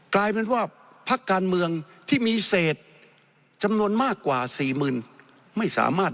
กลายเป็นว่าภาคการเมืองที่มีเศษจำนวนมากกว่า๔๐๐๐๐บาท